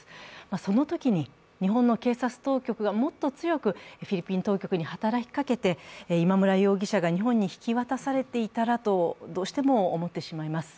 そのときに日本の警察当局がもっと強くフィリピン当局に働きかけて今村容疑者が日本に引き渡されていたらと、どうしても思ってしまいます。